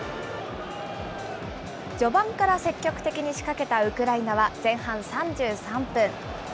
序盤から積極的に仕掛けたウクライナは、前半３３分。